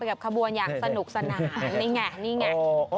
กับขบวนอย่างสนุกสนานนี่ไงนี่ไง